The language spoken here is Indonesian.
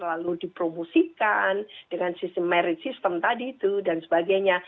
lalu dipromosikan dengan sistem merit system tadi itu dan sebagainya